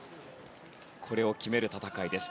これを決める戦いです。